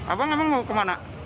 abang emang mau kemana